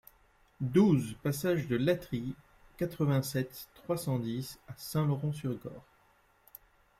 douze passage de Latterie, quatre-vingt-sept, trois cent dix à Saint-Laurent-sur-Gorre